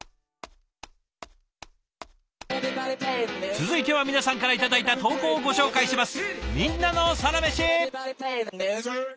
続いては皆さんから頂いた投稿をご紹介します。